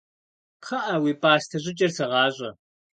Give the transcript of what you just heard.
КхъыӀэ, уи пӀастэ щӀыкӀэр сыгъащӀэ!